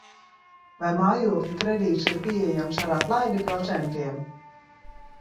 Vai mājokļa kredīts ir pieejams ar atlaidi procentiem?